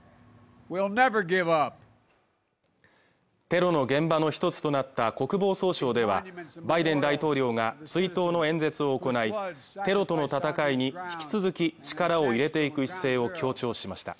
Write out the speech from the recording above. テロの現場の一つとなった国防総省ではバイデン大統領が追悼の演説を行いテロとの戦いに引き続き力を入れていく姿勢を強調しました